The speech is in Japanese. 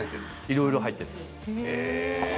いろいろ入ってるんです。